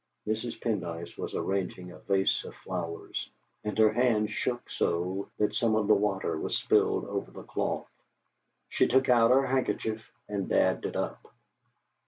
Mrs. Pendyce was arranging a vase of flowers, and her hand shook so that some of the water was spilled over the cloth. She took out her handkerchief and dabbed it up.